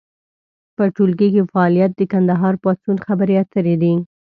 په ټولګي کې فعالیت د کندهار پاڅون خبرې اترې دي.